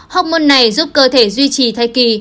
học môn này giúp cơ thể duy trì thai kỳ